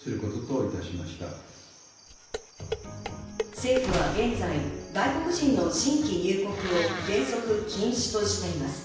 政府は現在、外国人の新規入国を原則禁止としています。